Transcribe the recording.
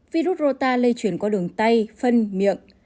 virus rota lây chuyển qua đường tay phân miệng